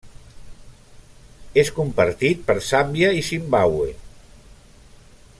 És compartit per Zàmbia i Zimbàbue.